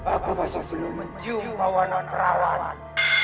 aku bahasa seluruh menuju bawah non perawan